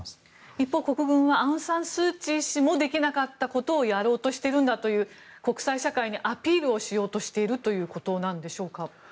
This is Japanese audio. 一方、国軍はアウン・サン・スー・チー氏もできなかったことをやろうとしているんだという国際社会にアピールをしようとしていることなんでしょうか。